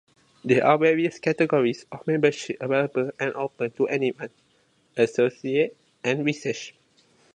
There are various categories of membership available and open to anyone: Associate and Research.